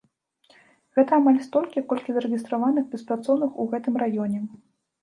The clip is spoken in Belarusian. Гэта амаль столькі, колькі зарэгістраваных беспрацоўных у гэтым раёне.